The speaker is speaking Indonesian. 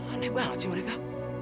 aneh banget sih mereka